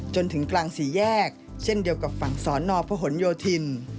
จนถึงกลางสี่แยกเช่นเดียวกับฝั่งสอนอพหนโยธิน